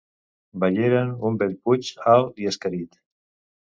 Veieren un bell puig alt i escarit.